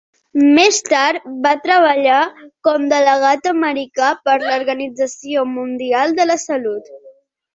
Més tard va treballar com delegat americà per l"Organització Mundial de la Salut.